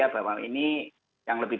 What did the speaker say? bahwa ini yang lebih